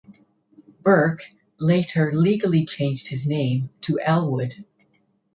Burke later legally changed his name to Ellwood.